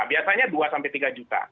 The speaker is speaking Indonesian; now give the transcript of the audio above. biasanya dua sampai tiga juta